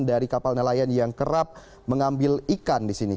dari kapal nelayan yang kerap mengambil ikan di sini